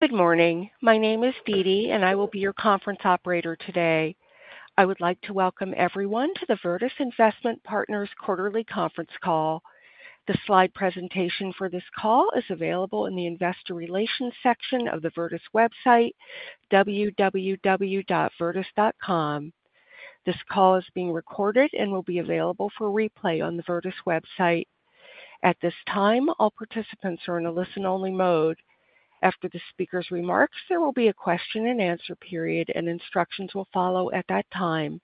Good morning. My name is Dee Dee, and I will be your conference operator today. I would like to welcome everyone to the Virtus Investment Partners quarterly conference call. The slide presentation for this call is available in the investor relations section of the Virtus website, www.virtus.com. This call is being recorded and will be available for replay on the Virtus website. At this time, all participants are in a listen-only mode. After the speaker's remarks, there will be a question-and-answer period, and instructions will follow at that time.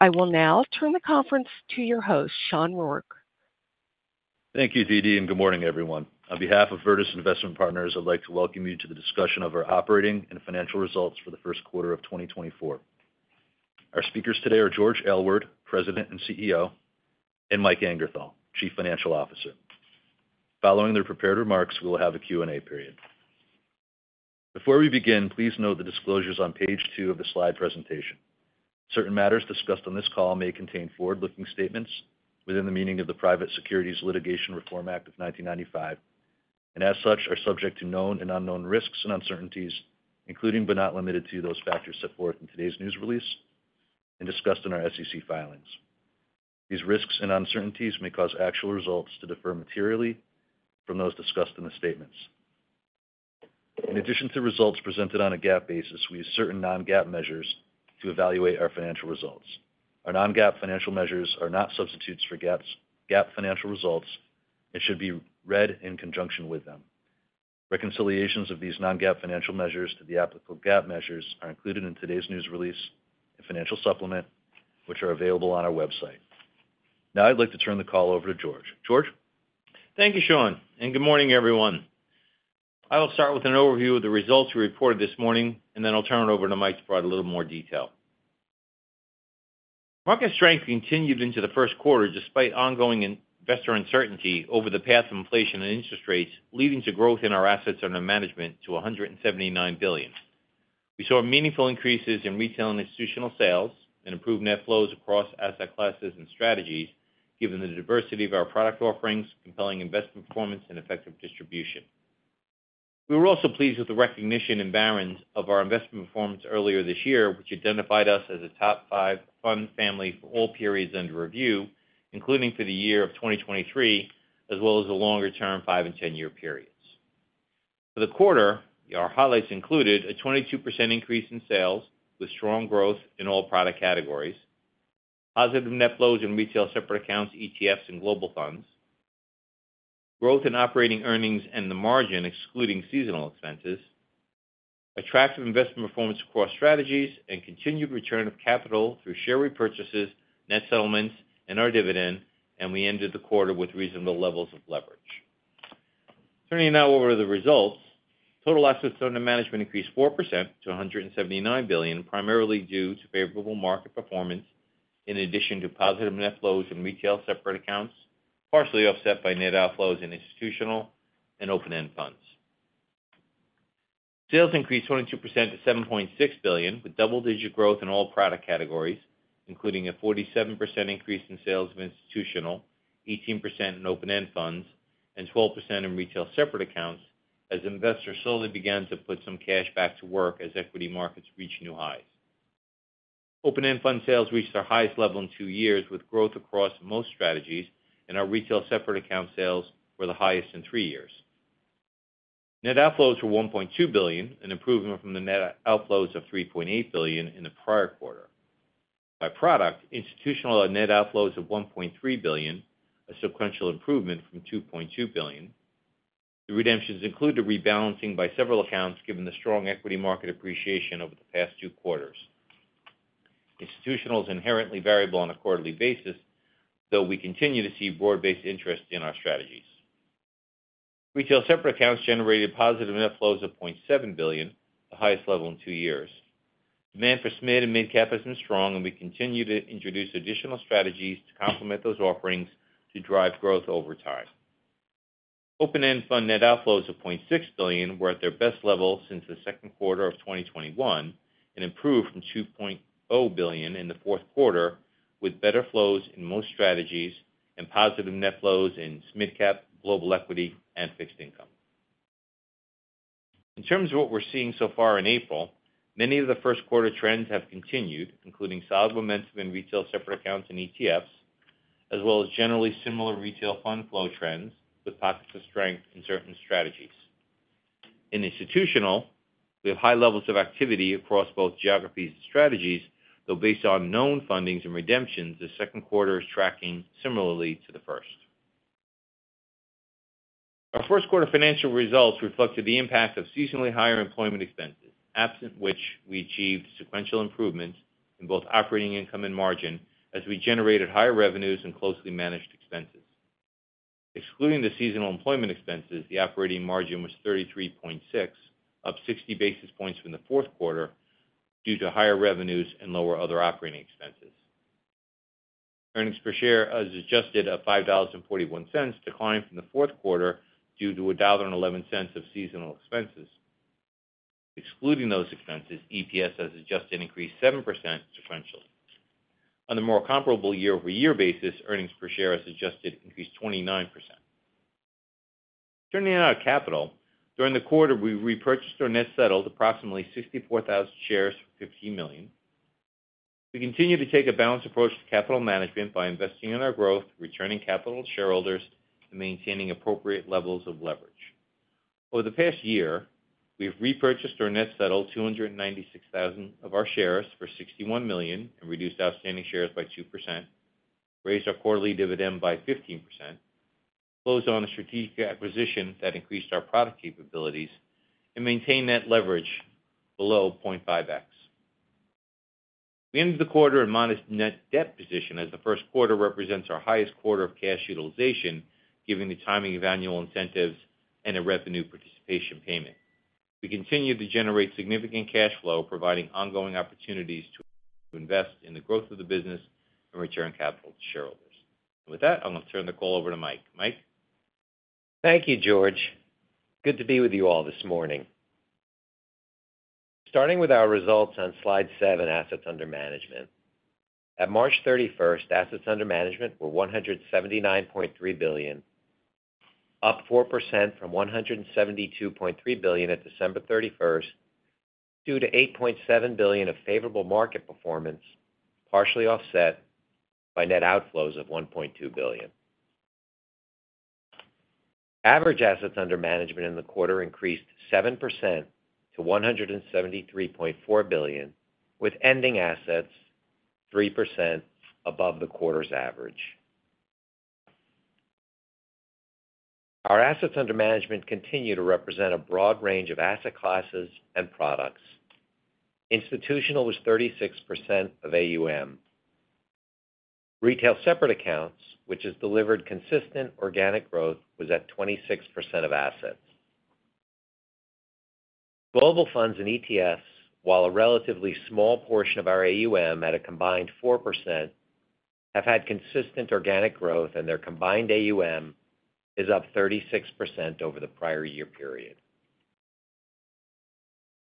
I will now turn the conference to your host, Sean Rourke. Thank you, Dee Dee, and good morning, everyone. On behalf of Virtus Investment Partners, I'd like to welcome you to the discussion of our Operating and Financial Results for the First Quarter of 2024. Our speakers today are George Aylward, President and CEO, and Mike Angerthal, Chief Financial Officer. Following their prepared remarks, we will have a Q&A period. Before we begin, please note the disclosures on page two of the slide presentation. Certain matters discussed on this call may contain forward-looking statements within the meaning of the Private Securities Litigation Reform Act of 1995, and as such, are subject to known and unknown risks and uncertainties, including but not limited to those factors set forth in today's news release and discussed in our SEC filings. These risks and uncertainties may cause actual results to differ materially from those discussed in the statements. In addition to results presented on a GAAP basis, we use certain non-GAAP measures to evaluate our financial results. Our non-GAAP financial measures are not substitutes for GAAP financial results and should be read in conjunction with them. Reconciliations of these non-GAAP financial measures to the applicable GAAP measures are included in today's news release and financial supplement, which are available on our website. Now I'd like to turn the call over to George. George? Thank you, Sean, and good morning, everyone. I will start with an overview of the results we reported this morning, and then I'll turn it over to Mike to provide a little more detail. Market strength continued into the first quarter despite ongoing investor uncertainty over the path of inflation and interest rates, leading to growth in our assets under management to $179 billion. We saw meaningful increases in retail and institutional sales and improved net flows across asset classes and strategies, given the diversity of our product offerings, compelling investment performance, and effective distribution. We were also pleased with the recognition in Barron's of our investment performance earlier this year, which identified us as a top five fund family for all periods under review, including for the year of 2023, as well as the longer-term five and ten-year periods. For the quarter, our highlights included a 22% increase in sales with strong growth in all product categories, positive net flows in retail separate accounts, ETFs, and global funds, growth in operating earnings and the margin excluding seasonal expenses, attractive investment performance across strategies, and continued return of capital through share repurchases, net settlements, and our dividend, and we ended the quarter with reasonable levels of leverage. Turning now over to the results, total assets under management increased 4% to $179 billion, primarily due to favorable market performance in addition to positive net flows in retail separate accounts, partially offset by net outflows in institutional and open-end funds. Sales increased 22% to $7.6 billion, with double-digit growth in all product categories, including a 47% increase in sales of institutional, 18% in open-end funds, and 12% in retail separate accounts as investors slowly began to put some cash back to work as equity markets reached new highs. Open-end fund sales reached their highest level in two years, with growth across most strategies, and our retail separate account sales were the highest in three years. Net outflows were $1.2 billion, an improvement from the net outflows of $3.8 billion in the prior quarter. By product, institutional had net outflows of $1.3 billion, a sequential improvement from $2.2 billion. The redemptions included rebalancing by several accounts, given the strong equity market appreciation over the past two quarters. Institutional is inherently variable on a quarterly basis, though we continue to see broad-based interest in our strategies. Retail separate accounts generated positive net flows of $0.7 billion, the highest level in two years. Demand for SMID and mid-cap has been strong, and we continue to introduce additional strategies to complement those offerings to drive growth over time. Open-end fund net outflows of $0.6 billion were at their best level since the second quarter of 2021 and improved from $2.0 billion in the fourth quarter, with better flows in most strategies and positive net flows in SMID cap, global equity, and fixed income. In terms of what we're seeing so far in April, many of the first quarter trends have continued, including solid momentum in retail separate accounts and ETFs, as well as generally similar retail fund flow trends with pockets of strength in certain strategies. In institutional, we have high levels of activity across both geographies and strategies, though based on known fundings and redemptions, the second quarter is tracking similarly to the first. Our first quarter financial results reflected the impact of seasonally higher employment expenses, absent which we achieved sequential improvements in both operating income and margin as we generated higher revenues and closely managed expenses. Excluding the seasonal employment expenses, the operating margin was 33.6, up 60 basis points from the fourth quarter due to higher revenues and lower other operating expenses. Earnings per share, as adjusted at $5.41, declining from the fourth quarter due to $1.11 of seasonal expenses. Excluding those expenses, EPS has adjusted and increased 7% sequential. On the more comparable year-over-year basis, Earnings per share, as adjusted, increased 29%. Turning now to capital, during the quarter, we repurchased or net settled approximately 64,000 shares for $15 million. We continue to take a balanced approach to capital management by investing in our growth, returning capital to shareholders, and maintaining appropriate levels of leverage. Over the past year, we've repurchased or net settled 296,000 of our shares for $61 million and reduced outstanding shares by 2%, raised our quarterly dividend by 15%, closed on a strategic acquisition that increased our product capabilities, and maintained net leverage below 0.5x. We ended the quarter in modest net debt position as the first quarter represents our highest quarter of cash utilization, given the timing of annual incentives and a revenue participation payment. We continue to generate significant cash flow, providing ongoing opportunities to invest in the growth of the business and return capital to shareholders. And with that, I'm going to turn the call over to Mike. Mike? Thank you, George. Good to be with you all this morning. Starting with our results on slide seven, assets under management. At March 31st, assets under management were $179.3 billion, up 4% from $172.3 billion at December 31st, due to $8.7 billion of favorable market performance, partially offset by net outflows of $1.2 billion. Average assets under management in the quarter increased 7% to $173.4 billion, with ending assets 3% above the quarter's average. Our assets under management continue to represent a broad range of asset classes and products. Institutional was 36% of AUM. Retail separate accounts, which has delivered consistent organic growth, was at 26% of assets. Global funds and ETFs, while a relatively small portion of our AUM at a combined 4%, have had consistent organic growth, and their combined AUM is up 36% over the prior year period.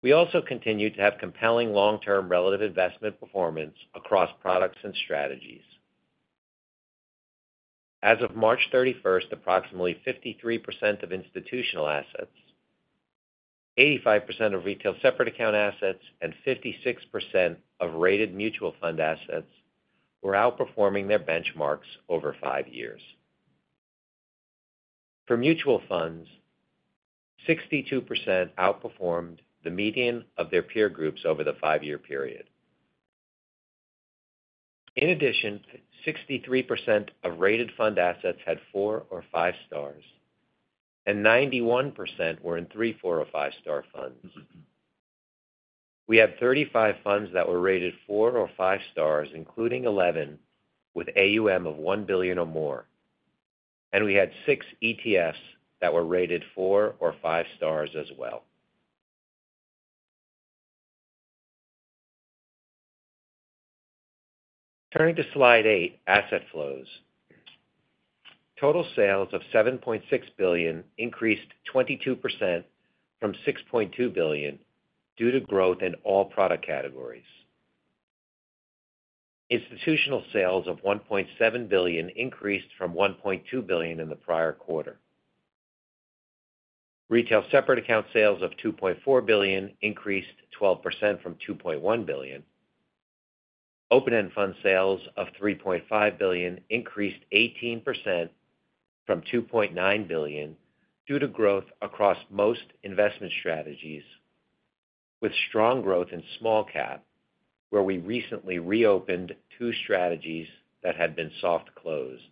We also continue to have compelling long-term relative investment performance across products and strategies. As of March 31st, approximately 53% of institutional assets, 85% of retail separate account assets, and 56% of rated mutual fund assets were outperforming their benchmarks over five years. For mutual funds, 62% outperformed the median of their peer groups over the five-year period. In addition, 63% of rated fund assets had four or five stars, and 91% were in three, four, or five-star funds. We had 35 funds that were rated four or five stars, including 11 with AUM of $1 billion or more, and we had six ETFs that were rated four or five stars as well. Turning to slide eight, asset flows. Total sales of $7.6 billion increased 22% from $6.2 billion due to growth in all product categories. Institutional sales of $1.7 billion increased from $1.2 billion in the prior quarter. Retail separate account sales of $2.4 billion increased 12% from $2.1 billion. Open-end fund sales of $3.5 billion increased 18% from $2.9 billion due to growth across most investment strategies, with strong growth in small cap, where we recently reopened two strategies that had been soft-closed.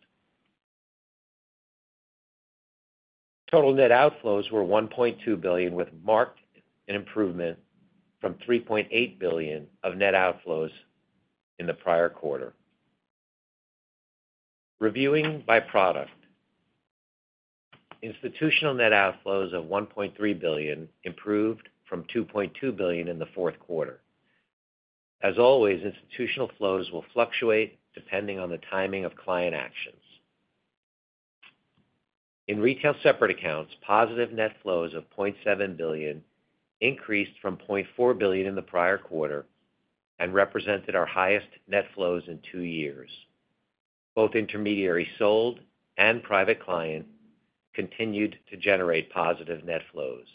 Total net outflows were $1.2 billion, which marked an improvement from $3.8 billion of net outflows in the prior quarter. Reviewing by product. Institutional net outflows of $1.3 billion improved from $2.2 billion in the fourth quarter. As always, institutional flows will fluctuate depending on the timing of client actions. In retail separate accounts, positive net flows of $0.7 billion increased from $0.4 billion in the prior quarter and represented our highest net flows in two years. Both intermediary sold and private client continued to generate positive net flows.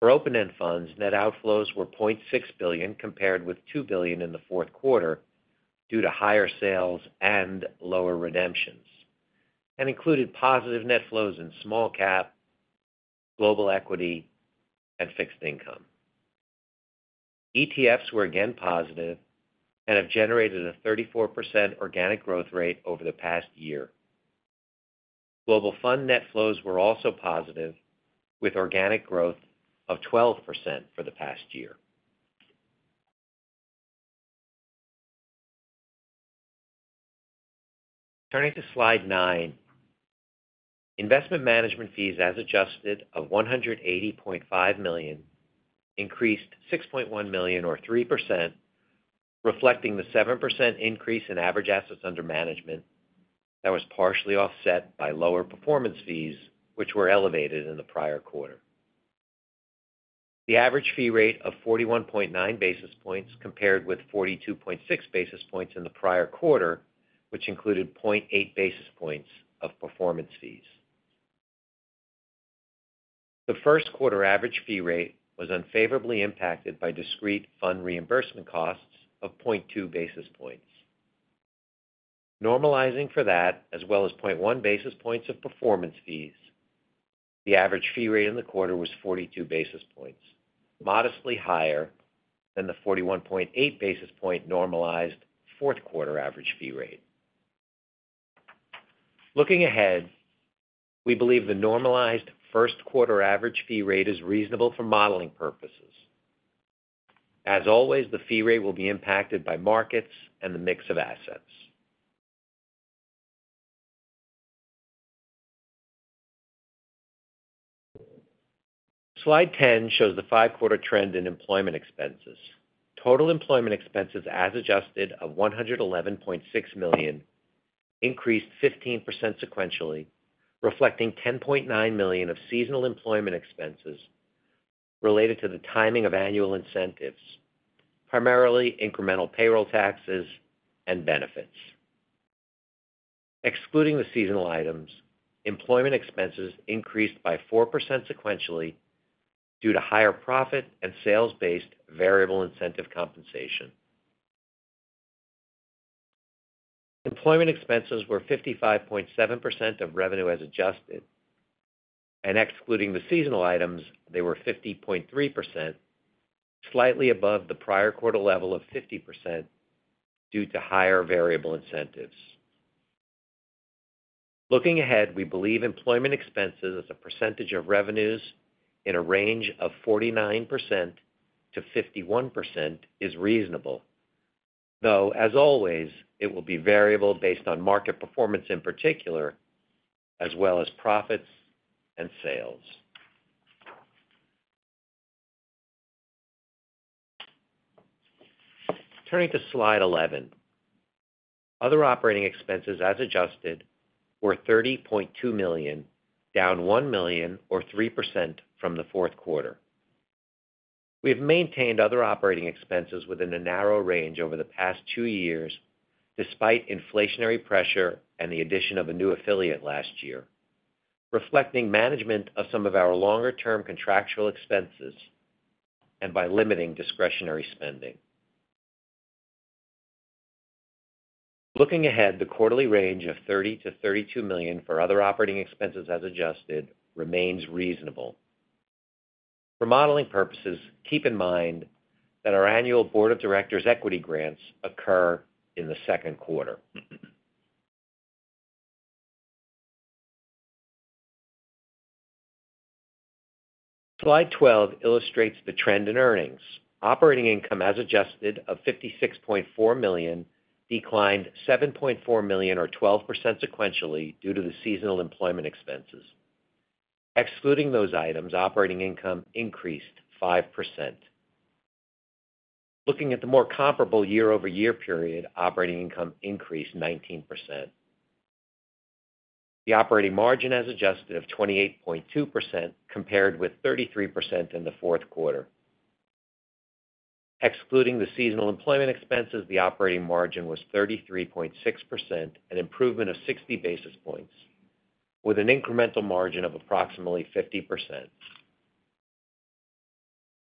For open-end funds, net outflows were $0.6 billion compared with $2 billion in the fourth quarter due to higher sales and lower redemptions, and included positive net flows in small cap, global equity, and fixed income. ETFs were again positive and have generated a 34% organic growth rate over the past year. Global fund net flows were also positive, with organic growth of 12% for the past year. Turning to slide nine. Investment management fees, as adjusted, of $180.5 million increased $6.1 million, or 3%, reflecting the 7% increase in average assets under management that was partially offset by lower performance fees, which were elevated in the prior quarter. The average fee rate of 41.9 basis points compared with 42.6 basis points in the prior quarter, which included 0.8 basis points of performance fees. The first quarter average fee rate was unfavorably impacted by discrete fund reimbursement costs of 0.2 basis points. Normalizing for that, as well as 0.1 basis points of performance fees, the average fee rate in the quarter was 42 basis points, modestly higher than the 41.8 basis point normalized fourth quarter average fee rate. Looking ahead, we believe the normalized first quarter average fee rate is reasonable for modeling purposes. As always, the fee rate will be impacted by markets and the mix of assets. Slide 10 shows the five-quarter trend in employment expenses. Total employment expenses, as adjusted, of $111.6 million increased 15% sequentially, reflecting $10.9 million of seasonal employment expenses related to the timing of annual incentives, primarily incremental payroll taxes and benefits. Excluding the seasonal items, employment expenses increased by 4% sequentially due to higher profit and sales-based variable incentive compensation. Employment expenses were 55.7% of revenue as adjusted, and excluding the seasonal items, they were 50.3%, slightly above the prior quarter level of 50% due to higher variable incentives. Looking ahead, we believe employment expenses as a percentage of revenues in a range of 49%-51% is reasonable, though, as always, it will be variable based on market performance in particular, as well as profits and sales. Turning to Slide 11. Other operating expenses, as adjusted, were $30.2 million, down $1 million, or 3% from the fourth quarter. We have maintained other operating expenses within a narrow range over the past two years despite inflationary pressure and the addition of a new affiliate last year, reflecting management of some of our longer-term contractual expenses and by limiting discretionary spending. Looking ahead, the quarterly range of $30-$32 million for other operating expenses, as adjusted, remains reasonable. For modeling purposes, keep in mind that our annual board of directors equity grants occur in the second quarter. Slide 12 illustrates the trend in earnings. Operating income, as adjusted, of $56.4 million declined $7.4 million, or 12% sequentially, due to the seasonal employment expenses. Excluding those items, operating income increased 5%. Looking at the more comparable year-over-year period, operating income increased 19%. The operating margin, as adjusted, of 28.2% compared with 33% in the fourth quarter. Excluding the seasonal employment expenses, the operating margin was 33.6%, an improvement of 60 basis points, with an incremental margin of approximately 50%.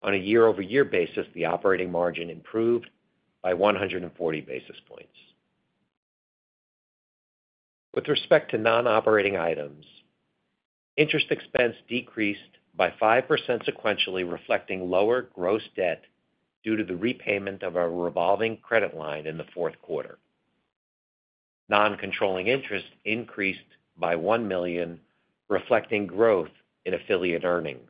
On a year-over-year basis, the operating margin improved by 140 basis points. With respect to non-operating items, interest expense decreased by 5% sequentially, reflecting lower gross debt due to the repayment of our revolving credit line in the fourth quarter. Non-controlling interest increased by $1 million, reflecting growth in affiliate earnings.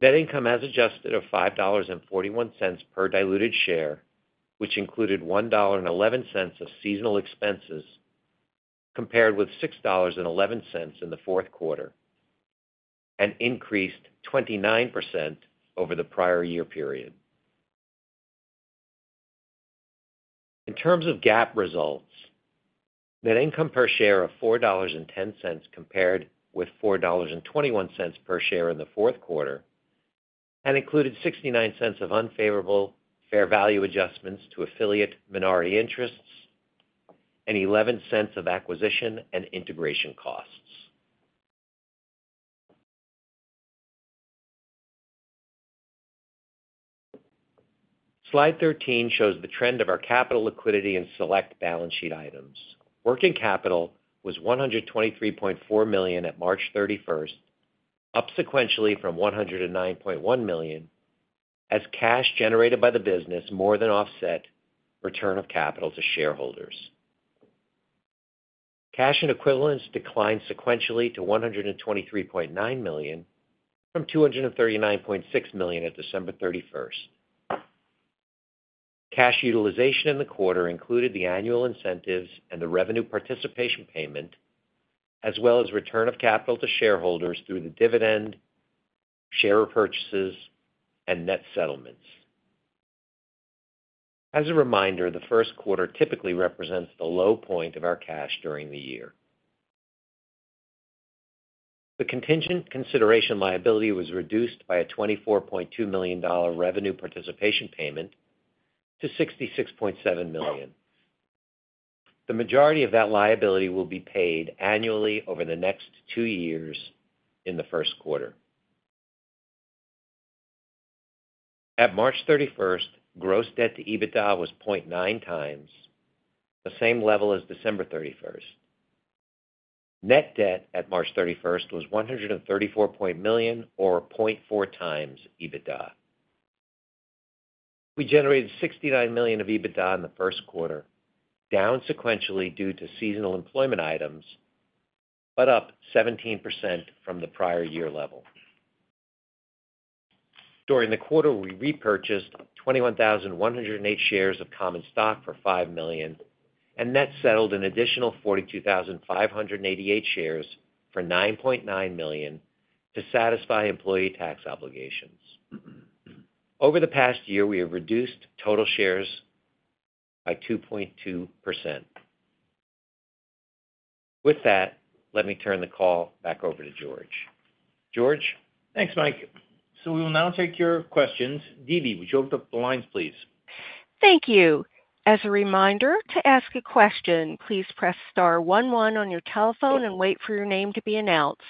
Net income, as adjusted, of $5.41 per diluted share, which included $1.11 of seasonal expenses compared with $6.11 in the fourth quarter, and increased 29% over the prior year period. In terms of GAAP results, net income per share of $4.10 compared with $4.21 per share in the fourth quarter had included $0.69 of unfavorable fair value adjustments to affiliate minority interests and $0.11 of acquisition and integration costs. Slide 13 shows the trend of our capital liquidity in select balance sheet items. Working capital was $123.4 million at March 31st, up sequentially from $109.1 million as cash generated by the business more than offset return of capital to shareholders. Cash and equivalents declined sequentially to $123.9 million from $239.6 million at December 31st. Cash utilization in the quarter included the annual incentives and the revenue participation payment, as well as return of capital to shareholders through the dividend, share repurchases, and net settlements. As a reminder, the first quarter typically represents the low point of our cash during the year. The contingent consideration liability was reduced by a $24.2 million revenue participation payment to $66.7 million. The majority of that liability will be paid annually over the next two years in the first quarter. At March 31st, gross debt to EBITDA was 0.9 times, the same level as December 31st. Net debt at March 31st was $134.0 million, or 0.4 times EBITDA. We generated $69 million of EBITDA in the first quarter, down sequentially due to seasonal employment items, but up 17% from the prior year level. During the quarter, we repurchased 21,108 shares of common stock for $5 million, and net settled an additional 42,588 shares for $9.9 million to satisfy employee tax obligations. Over the past year, we have reduced total shares by 2.2%. With that, let me turn the call back over to George. George. Thanks, Mike. We will now take your questions. Dee Dee, would you open up the lines, please? Thank you. As a reminder, to ask a question, please press star 11 on your telephone and wait for your name to be announced.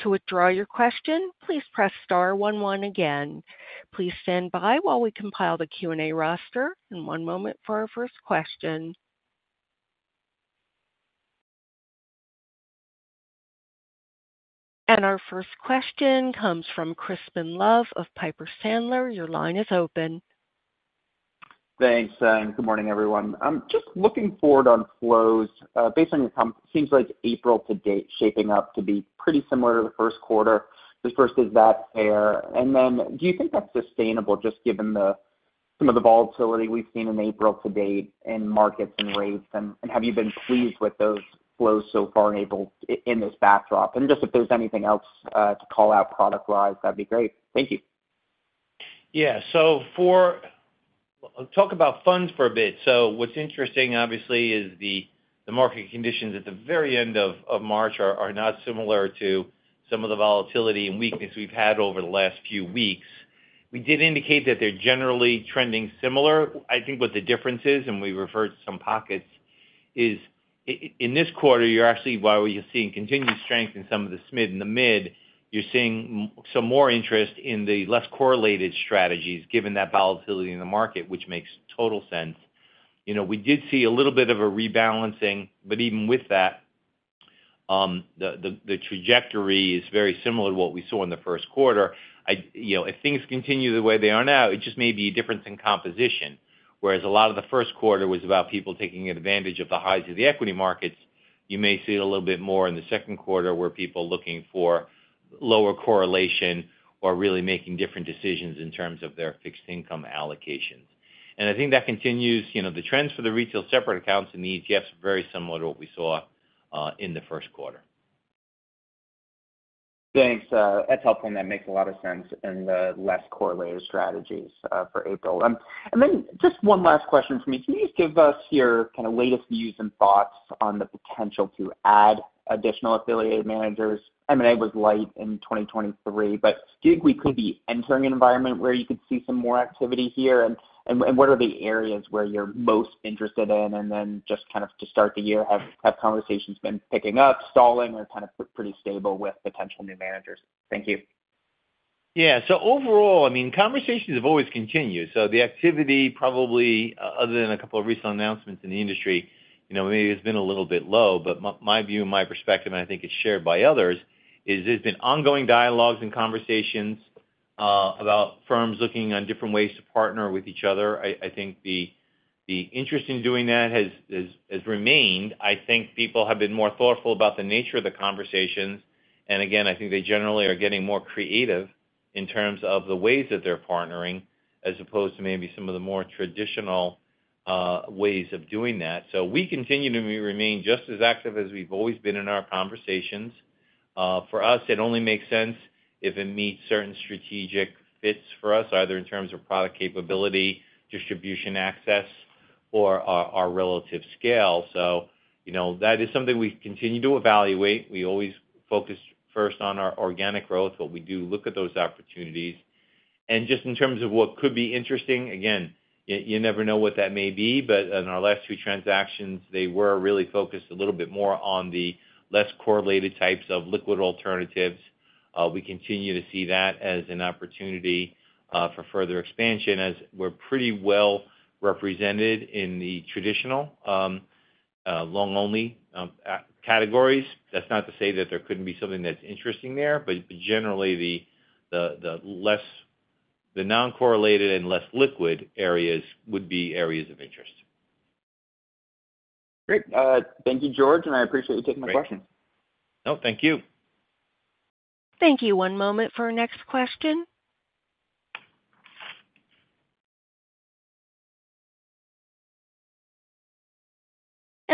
To withdraw your question, please press star 11 again. Please stand by while we compile the Q&A roster. One moment for our first question. Our first question comes from Crispin Love of Piper Sandler. Your line is open. Thanks, and good morning, everyone. I'm just looking forward on flows. Based on your comp, it seems like April to date is shaping up to be pretty similar to the first quarter. Is that fair? And then do you think that's sustainable, just given some of the volatility we've seen in April to date in markets and rates? And have you been pleased with those flows so far in this backdrop? And just if there's anything else to call out product-wise, that'd be great. Thank you. Yeah. So I'll talk about funds for a bit. So what's interesting, obviously, is the market conditions at the very end of March are not similar to some of the volatility and weakness we've had over the last few weeks. We did indicate that they're generally trending similar. I think what the difference is, and we referred to some pockets, is in this quarter, while we are seeing continued strength in some of the SMID and the MID, you're seeing some more interest in the less correlated strategies, given that volatility in the market, which makes total sense. We did see a little bit of a rebalancing, but even with that, the trajectory is very similar to what we saw in the first quarter. If things continue the way they are now, it just may be a difference in composition. Whereas a lot of the first quarter was about people taking advantage of the highs of the equity markets, you may see it a little bit more in the second quarter, where people are looking for lower correlation or really making different decisions in terms of their fixed income allocations. And I think that continues. The trends for the retail separate accounts and the ETFs are very similar to what we saw in the first quarter. Thanks. That's helpful. And that makes a lot of sense in the less correlated strategies for April. And then just one last question from me. Can you just give us your kind of latest views and thoughts on the potential to add additional affiliate managers? M&A was light in 2023, but do you think we could be entering an environment where you could see some more activity here? And what are the areas where you're most interested in? And then just kind of to start the year, have conversations been picking up, stalling, or kind of pretty stable with potential new managers? Thank you. Yeah. So overall, I mean, conversations have always continued. So the activity, probably other than a couple of recent announcements in the industry, maybe it's been a little bit low. But my view and my perspective, and I think it's shared by others, is there's been ongoing dialogues and conversations about firms looking on different ways to partner with each other. I think the interest in doing that has remained. I think people have been more thoughtful about the nature of the conversations. And again, I think they generally are getting more creative in terms of the ways that they're partnering, as opposed to maybe some of the more traditional ways of doing that. So we continue to remain just as active as we've always been in our conversations. For us, it only makes sense if it meets certain strategic fits for us, either in terms of product capability, distribution access, or our relative scale. So that is something we continue to evaluate. We always focus first on our organic growth, but we do look at those opportunities. And just in terms of what could be interesting, again, you never know what that may be. But in our last two transactions, they were really focused a little bit more on the less correlated types of liquid alternatives. We continue to see that as an opportunity for further expansion, as we're pretty well represented in the traditional long-only categories. That's not to say that there couldn't be something that's interesting there, but generally, the non-correlated and less liquid areas would be areas of interest. Great. Thank you, George. I appreciate you taking my questions. No, thank you. Thank you. One moment for our next question.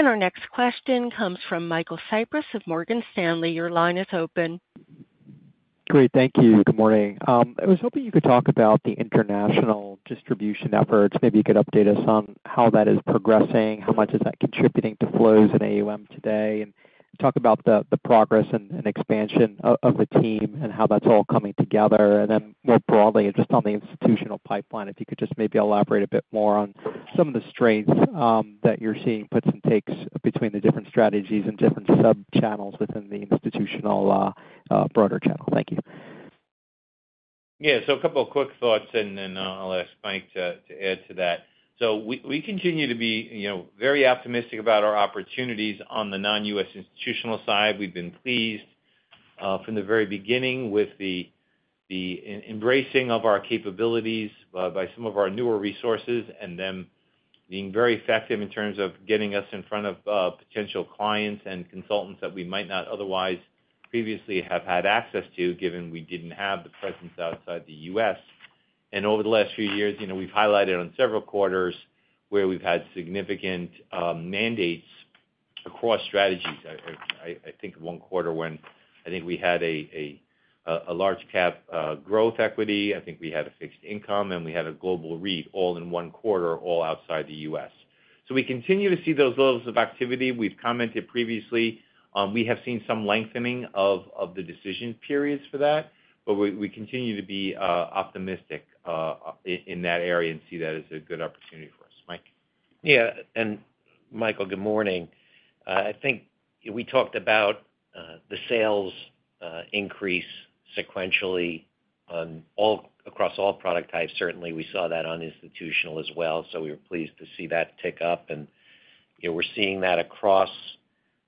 Our next question comes from Michael Cyprys of Morgan Stanley. Your line is open. Great. Thank you. Good morning. I was hoping you could talk about the international distribution efforts. Maybe you could update us on how that is progressing, how much is that contributing to flows in AUM today, and talk about the progress and expansion of the team and how that's all coming together. And then more broadly, just on the institutional pipeline, if you could just maybe elaborate a bit more on some of the strengths that you're seeing puts and takes between the different strategies and different subchannels within the institutional broader channel. Thank you. Yeah. So a couple of quick thoughts, and then I'll ask Mike to add to that. So we continue to be very optimistic about our opportunities on the non-U.S. institutional side. We've been pleased from the very beginning with the embracing of our capabilities by some of our newer resources and them being very effective in terms of getting us in front of potential clients and consultants that we might not otherwise previously have had access to, given we didn't have the presence outside the U.S. And over the last few years, we've highlighted on several quarters where we've had significant mandates across strategies. I think of one quarter when I think we had a large-cap growth equity. I think we had a fixed income, and we had a global REIT, all in one quarter, all outside the U.S. So we continue to see those levels of activity. We've commented previously. We have seen some lengthening of the decision periods for that, but we continue to be optimistic in that area and see that as a good opportunity for us. Mike? Yeah. And Michael, good morning. I think we talked about the sales increase sequentially across all product types. Certainly, we saw that on institutional as well. So we were pleased to see that tick up. And we're seeing that across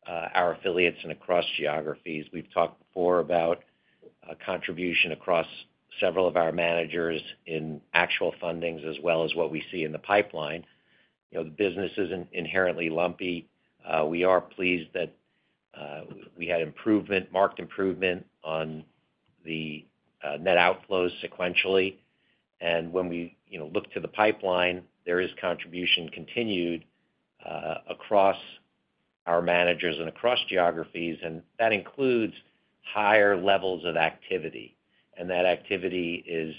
our affiliates and across geographies. We've talked before about contribution across several of our managers in actual fundings, as well as what we see in the pipeline. The business isn't inherently lumpy. We are pleased that we had marked improvement on the net outflows sequentially. And when we look to the pipeline, there is contribution continued across our managers and across geographies. And that includes higher levels of activity. And that activity is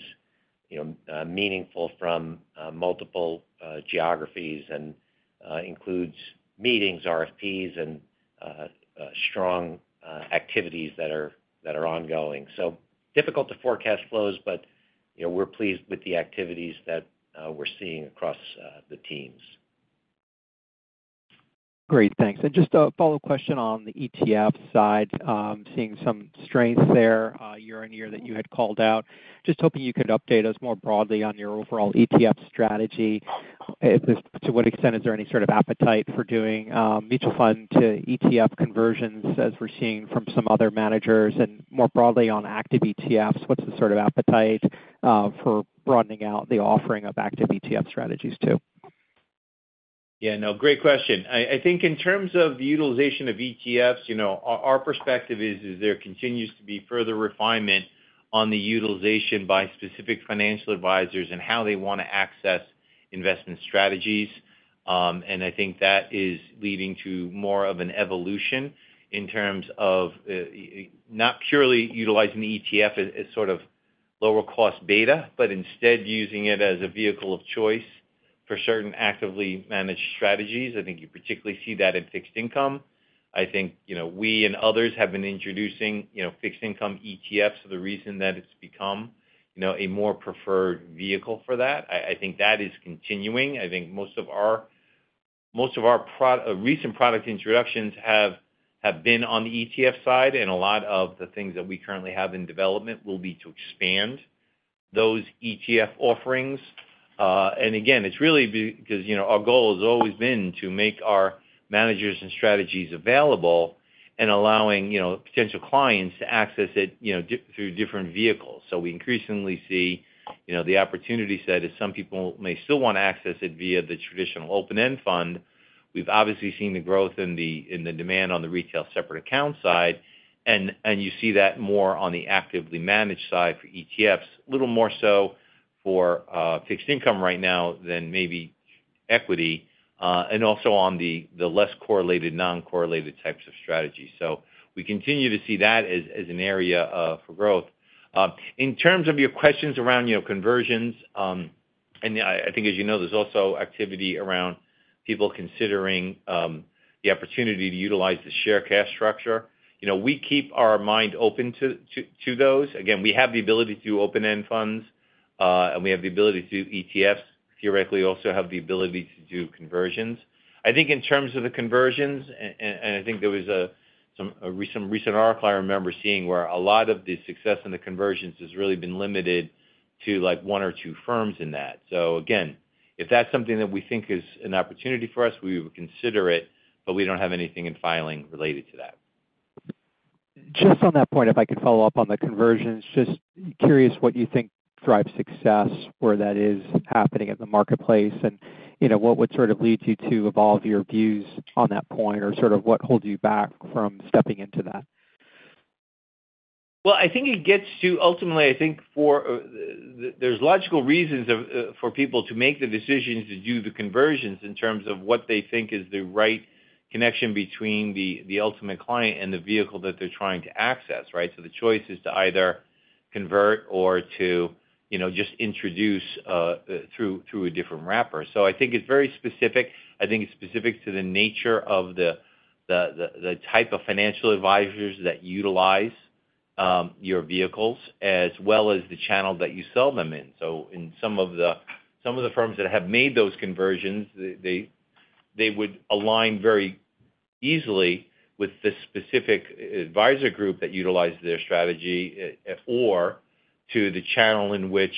meaningful from multiple geographies and includes meetings, RFPs, and strong activities that are ongoing. So difficult to forecast flows, but we're pleased with the activities that we're seeing across the teams. Great. Thanks. And just a follow-up question on the ETF side. I'm seeing some strength there year-over-year that you had called out. Just hoping you could update us more broadly on your overall ETF strategy. To what extent is there any sort of appetite for doing mutual fund to ETF conversions, as we're seeing from some other managers? And more broadly on active ETFs, what's the sort of appetite for broadening out the offering of active ETF strategies too? Yeah. No, great question. I think in terms of the utilization of ETFs, our perspective is there continues to be further refinement on the utilization by specific financial advisors and how they want to access investment strategies. And I think that is leading to more of an evolution in terms of not purely utilizing the ETF as sort of lower-cost beta, but instead using it as a vehicle of choice for certain actively managed strategies. I think you particularly see that in fixed income. I think we and others have been introducing fixed income ETFs for the reason that it's become a more preferred vehicle for that. I think that is continuing. I think most of our recent product introductions have been on the ETF side. And a lot of the things that we currently have in development will be to expand those ETF offerings. And again, it's really because our goal has always been to make our managers and strategies available and allowing potential clients to access it through different vehicles. So we increasingly see the opportunity set is some people may still want to access it via the traditional open-end fund. We've obviously seen the growth in the demand on the retail separate account side. And you see that more on the actively managed side for ETFs, a little more so for fixed income right now than maybe equity, and also on the less correlated, non-correlated types of strategies. So we continue to see that as an area for growth. In terms of your questions around conversions and I think, as you know, there's also activity around people considering the opportunity to utilize the share class structure. We keep our mind open to those. Again, we have the ability to do open-end funds, and we have the ability to do ETFs. Theoretically, we also have the ability to do conversions. I think in terms of the conversions and I think there was some recent article I remember seeing where a lot of the success in the conversions has really been limited to one or two firms in that. So again, if that's something that we think is an opportunity for us, we would consider it, but we don't have anything in filing related to that. Just on that point, if I could follow up on the conversions, just curious what you think drives success, where that is happening at the marketplace, and what would sort of lead you to evolve your views on that point, or sort of what holds you back from stepping into that? Well, I think it gets to ultimately, I think there's logical reasons for people to make the decisions to do the conversions in terms of what they think is the right connection between the ultimate client and the vehicle that they're trying to access, right? So the choice is to either convert or to just introduce through a different wrapper. So I think it's very specific. I think it's specific to the nature of the type of financial advisors that utilize your vehicles, as well as the channel that you sell them in. So in some of the firms that have made those conversions, they would align very easily with the specific advisor group that utilized their strategy or to the channel in which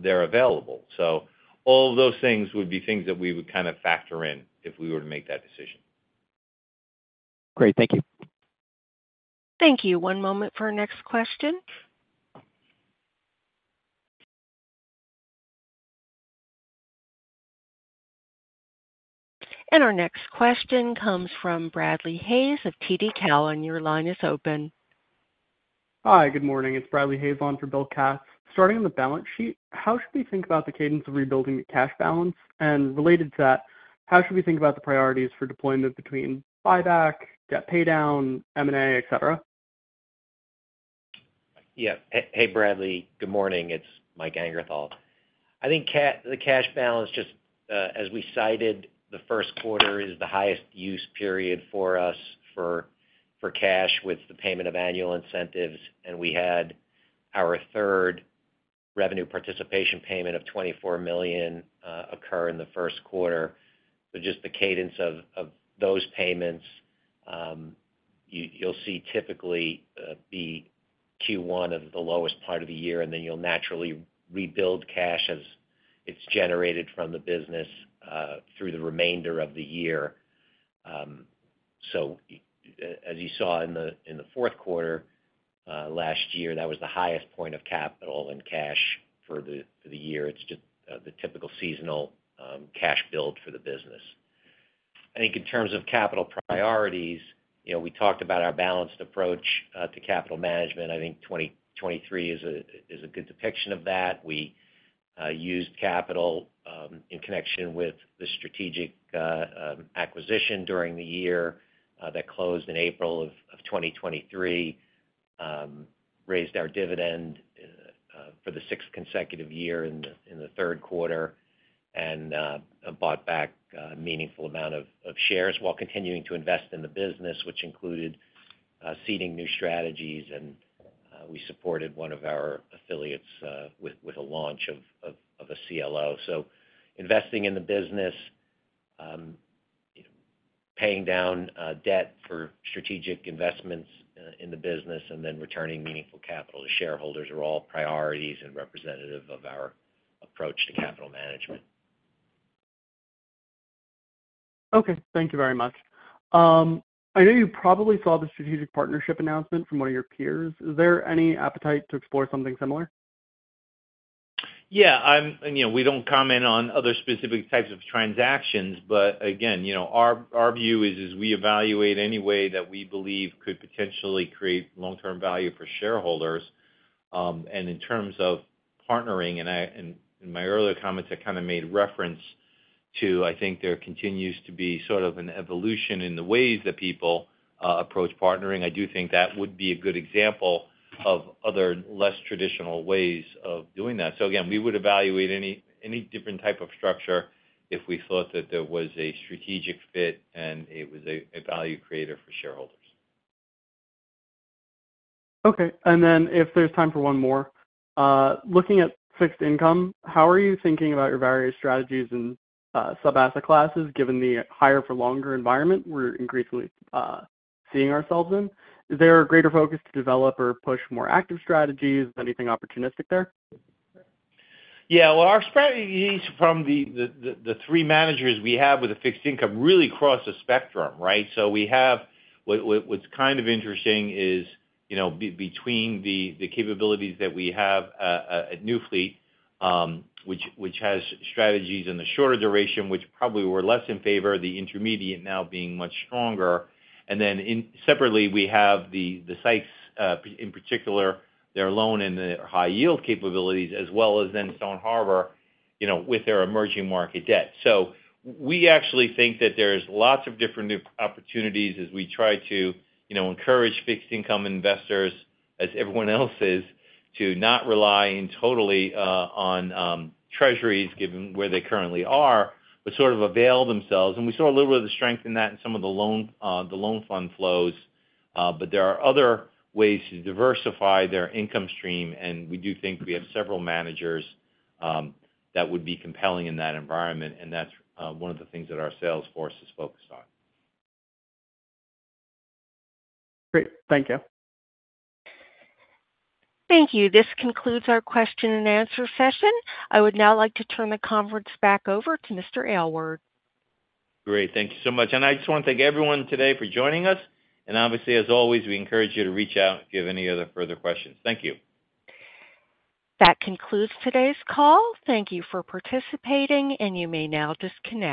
they're available. So all of those things would be things that we would kind of factor in if we were to make that decision. Great. Thank you. Thank you. One moment for our next question. Our next question comes from Bradley Hayes of TD Cowen. Your line is open. Hi. Good morning. It's Bradley Hayes on for Bill Katz. Starting on the balance sheet, how should we think about the cadence of rebuilding the cash balance? Related to that, how should we think about the priorities for deployment between buyback, debt paydown, M&A, etc.? Yeah. Hey, Bradley. Good morning. It's Mike Angerthal. I think the cash balance, just as we cited, the first quarter is the highest use period for us for cash with the payment of annual incentives. And we had our third revenue participation payment of $24 million occur in the first quarter. So just the cadence of those payments, you'll see typically be Q1 of the lowest part of the year. And then you'll naturally rebuild cash as it's generated from the business through the remainder of the year. So as you saw in the fourth quarter last year, that was the highest point of capital and cash for the year. It's just the typical seasonal cash build for the business. I think in terms of capital priorities, we talked about our balanced approach to capital management. I think 2023 is a good depiction of that. We used capital in connection with the strategic acquisition during the year that closed in April of 2023, raised our dividend for the sixth consecutive year in the third quarter, and bought back a meaningful amount of shares while continuing to invest in the business, which included seeding new strategies. And we supported one of our affiliates with a launch of a CLO. So investing in the business, paying down debt for strategic investments in the business, and then returning meaningful capital to shareholders are all priorities and representative of our approach to capital management. Okay. Thank you very much. I know you probably saw the strategic partnership announcement from one of your peers. Is there any appetite to explore something similar? Yeah. And we don't comment on other specific types of transactions. But again, our view is we evaluate any way that we believe could potentially create long-term value for shareholders. And in terms of partnering and in my earlier comments, I kind of made reference to I think there continues to be sort of an evolution in the ways that people approach partnering. I do think that would be a good example of other less traditional ways of doing that. So again, we would evaluate any different type of structure if we thought that there was a strategic fit and it was a value creator for shareholders. Okay. And then if there's time for one more, looking at fixed income, how are you thinking about your various strategies and sub-asset classes, given the higher-for-longer environment we're increasingly seeing ourselves in? Is there a greater focus to develop or push more active strategies? Is anything opportunistic there? Yeah. Well, our strategies from the three managers we have with a fixed income really cross a spectrum, right? So what's kind of interesting is between the capabilities that we have at Newfleet, which has strategies in the shorter duration, which probably were less in favor, the intermediate now being much stronger. And then separately, we have the Seix in particular, their loan and their high-yield capabilities, as well as then Stone Harbor with their emerging market debt. So we actually think that there's lots of different new opportunities as we try to encourage fixed-income investors, as everyone else is, to not rely totally on treasuries, given where they currently are, but sort of avail themselves. And we saw a little bit of the strength in that in some of the loan fund flows. But there are other ways to diversify their income stream. We do think we have several managers that would be compelling in that environment. That's one of the things that our sales force is focused on. Great. Thank you. Thank you. This concludes our question-and-answer session. I would now like to turn the conference back over to Mr. Aylward. Great. Thank you so much. I just want to thank everyone today for joining us. Obviously, as always, we encourage you to reach out if you have any other further questions. Thank you. That concludes today's call. Thank you for participating. You may now disconnect.